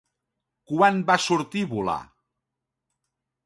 Quan va sortir Volar?